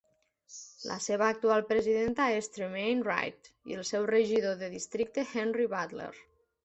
La seva actual presidenta és Tremaine Wright, i el seu regidor de districte Henry Butler.